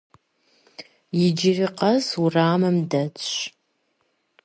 Иджыри къэс уэрамым дэтщ.